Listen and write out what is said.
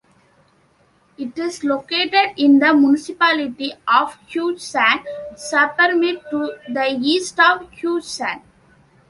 It is located in the municipality of Hoogezand-Sappemeer to the east of Hoogezand.